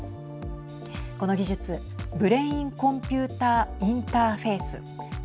この技術ブレイン・コンピューター・インターフェース。